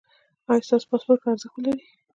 ایا ستاسو پاسپورت به ارزښت ولري؟